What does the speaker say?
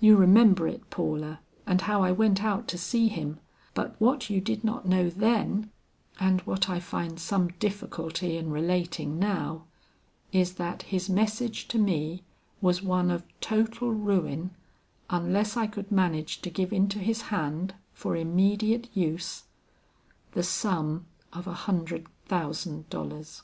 You remember it, Paula, and how I went out to see him; but what you did not know then, and what I find some difficulty in relating now, is that his message to me was one of total ruin unless I could manage to give into his hand, for immediate use, the sum of a hundred thousand dollars.